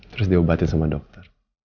terus diobatin sama dokter